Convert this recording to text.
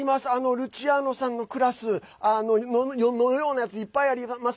ルチアーノさんのクラスのようなやついっぱいあります。